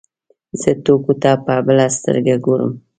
زه ټوکو ته په بله سترګه ګورم.